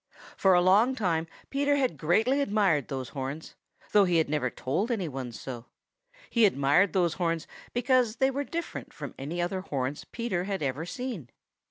For a long time Peter had greatly admired those horns, though he never had told any one so. He had admired those horns because they were different from any other horns Peter ever had seen.